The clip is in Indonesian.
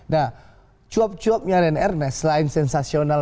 nah cuap cuapnya rian ernest selain sensasional